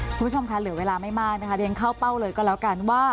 คุณผู้ชมค่ะเหลือเวลาไม่มากนะคะเรียนเข้าเป้าเลยก็แล้วกันว่า